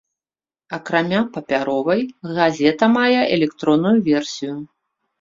Акрамя папяровай, газета мае і электронную версію.